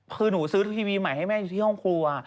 คือหนูซื้อทีวีใหม่ให้แม่อยู่ที่ห้องครัว